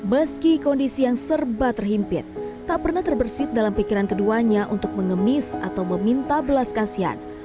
meski kondisi yang serba terhimpit tak pernah terbersih dalam pikiran keduanya untuk mengemis atau meminta belas kasihan